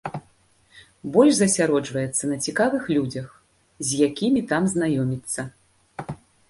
Больш засяроджваецца на цікавых людзях, з якімі там знаёміцца.